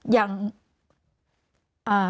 กองวิสุริยะ